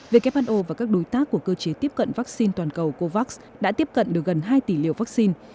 who và các đối tác của cơ chế tiếp cận vaccine toàn cầu covax đã tiếp cận được gần hai tỷ liều vaccine